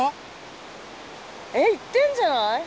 えっいってんじゃない？